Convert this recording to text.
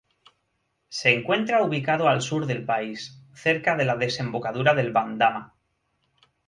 Se encuentra ubicado al sur del país, cerca de la desembocadura del río Bandama.